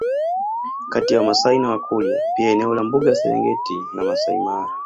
Kati ya wamasai na wakurya pia eneo la mbuga ya serengeti na masai mara